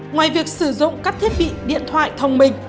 ngoài việc sử dụng các thiết bị điện thoại thông minh